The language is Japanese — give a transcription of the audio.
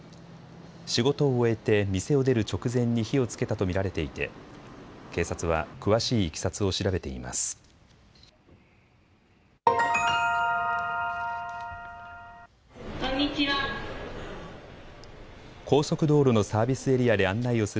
仕事を終えて店を出る直前に火をつけたと見られていて警察は詳しいいきさつを調べています。